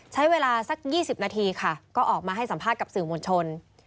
ใช้เวลาสัก๒๐นาทีค่ะก็ออกมาให้สัมภาษณ์กับสื่อมวลชน